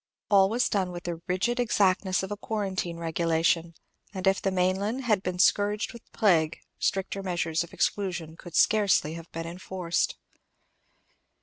All was done with the rigid exactness of a quarantine regulation; and if the mainland had been scourged with plague, stricter measures of exclusion could scarcely have been enforced.